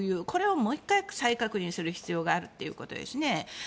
これをもう１回、再確認する必要があるということですね。